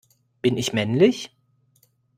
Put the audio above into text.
Bin ich männlich?